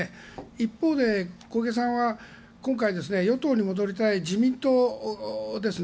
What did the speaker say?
一方で小池さんは今回与党に戻りたい自民党ですね。